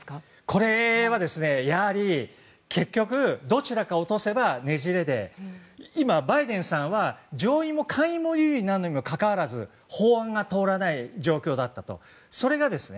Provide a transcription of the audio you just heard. これは、結局どちらかを落とせば、ねじれで今、バイデンさんは上院も下院も優位なのにもかかわらず法案が通らない状況なんです。